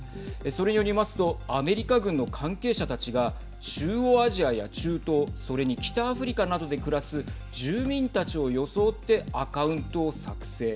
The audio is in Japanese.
それによりますとアメリカ軍の関係者たちが中央アジアや中東それに北アフリカなどで暮らす住民たちを装ってアカウントを作成。